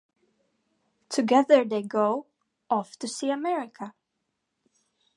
Together they go off to see America.